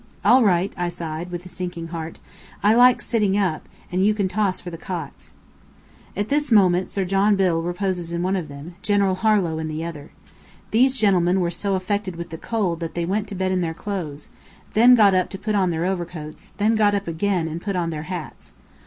"All right," I sighed, with a sinking heart. "I like sitting up, and you can toss for the cots." At this moment Sir John Biddell reposes in one of them, General Harlow in the other. These gentlemen were so affected with the cold that they went to bed in their clothes, then got up to put on their overcoats, then got up again and put on their hats.